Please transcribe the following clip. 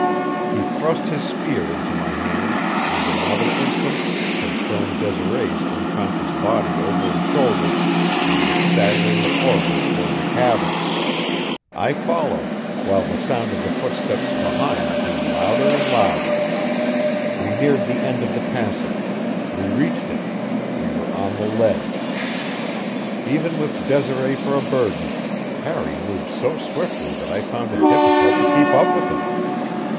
He thrust his spear into my hand, and in another instant had thrown Desiree's unconscious body over his shoulder and was staggering forward toward the cavern. I followed, while the sound of the footsteps behind grew louder and louder. We neared the end of the passage; we reached it; we were on the ledge. Even with Desiree for a burden, Harry moved so swiftly that I found it difficult to keep up with him.